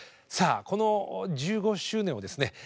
さあこの１５周年をですね